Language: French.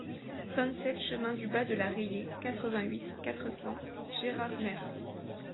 vingt-sept chemin du Bas de la Rayée, quatre-vingt-huit, quatre cents, Gérardmer